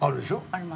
あります。